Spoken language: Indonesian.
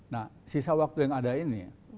nah sisa waktu yang ada ini